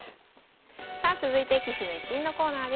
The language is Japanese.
さあ続いて「棋士の逸品」のコーナーです。